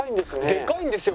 でかいんですよ